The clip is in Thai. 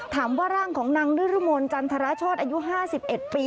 ถามว่าร่างของนางนิรมนจันทราชดอายุ๕๑ปี